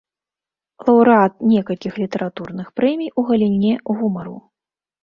Лаўрэат некалькіх літаратурных прэмій у галіне гумару.